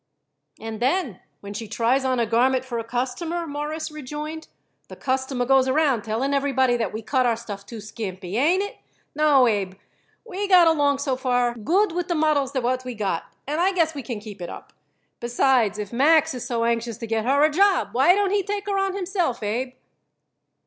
"And then, when she tries on a garment for a customer," Morris rejoined, "the customer goes around telling everybody that we cut our stuff too skimpy. Ain't it? No, Abe, we got along so far good with the models what we got, and I guess we can keep it up. Besides, if Max is so anxious to get her a job, why don't he take her on himself, Abe?"